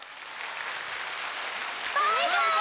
バイバイ！